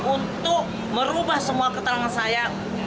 untuk merubah semua keterangan saya